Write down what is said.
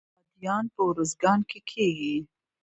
بادیان په ارزګان کې کیږي